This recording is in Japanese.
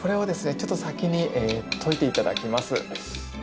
ちょっと先にといて頂きます。